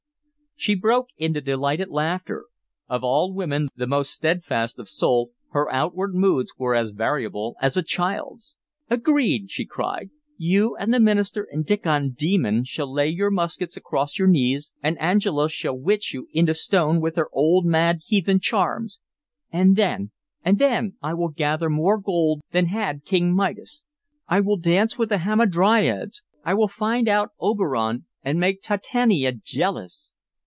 She broke into delighted laughter. Of all women the most steadfast of soul, her outward moods were as variable as a child's. "Agreed!" she cried. "You and the minister and Diccon Demon shall lay your muskets across your knees, and Angela shall witch you into stone with her old, mad, heathen charms. And then and then I will gather more gold than had King Midas; I will dance with the hamadryads; I will find out Oberon and make Titania jealous!"